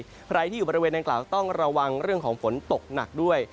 ใครที่อยู่บริเวณดังกล่าวต้องระวังเรื่องของฝนตกหนักด้วย